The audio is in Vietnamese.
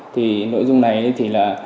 thì nội dung này là